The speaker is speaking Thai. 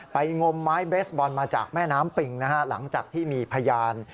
งมไม้เบสบอลมาจากแม่น้ำปิงนะฮะหลังจากที่มีพยาน